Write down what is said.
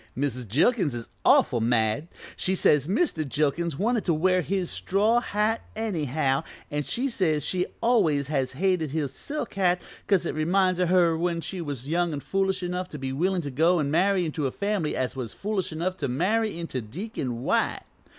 Mrs. Jilkins is awful mad; she says Mr. Jilkins wanted to wear his straw hat anyhow and, she says she always has hated his silk hat 'cause it reminds her o' when she was young and foolish enough to be willin' to go and marry into a family as was foolish enough to marry into Deacon White.